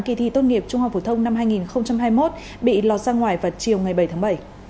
kỳ thi tốt nghiệp trung học phổ thông năm hai nghìn hai mươi một bị lọt ra ngoài vào chiều ngày bảy tháng bảy